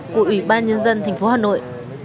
của ủy ban nhân dân tp hà nội